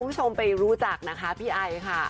คุณผู้ชมไปรู้จักนะคะพี่ไอค่ะ